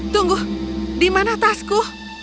tunggu di mana tasku